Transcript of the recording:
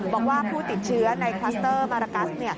บอกว่าผู้ติดเชื้อในคลัสเตอร์มารากัส